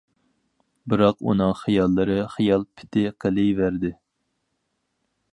بىراق ئۇنىڭ خىياللىرى خىيال پېتى قېلىۋەردى...